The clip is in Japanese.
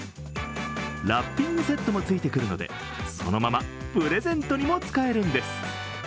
ラッピングセットもついてくるので、そのままプレゼントにも使えるんです。